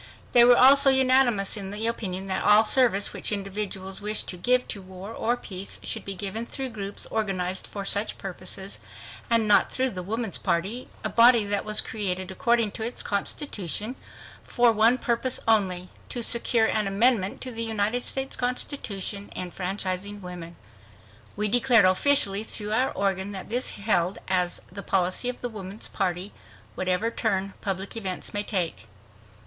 They were also unanimous in the opinion that all service which individuals wished to give to war or peace should be given through groups organized for such purposes, and not through the Woman's Party, a body created, according to its constitution, for one purpose only—"to secure an amendment to the United States Constitution enfranchising women." We declared officially through our organ that this held "as the policy of the Woman's Party, whatever turn public events may take."